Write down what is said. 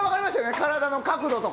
体の角度とか。